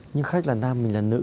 nhưng khách là nam mình là nữ